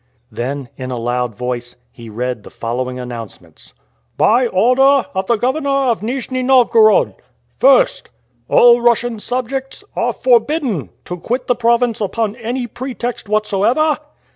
Then, in a loud voice, he read the following announcements: "By order of the Governor of Nijni Novgorod. "1st. All Russian subjects are forbidden to quit the province upon any pretext whatsoever.